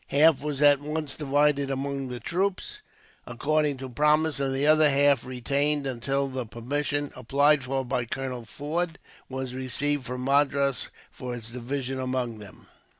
Half was at once divided among the troops, according to promise, and the other half retained until the permission, applied for by Colonel Forde, was received from Madras for its division among them.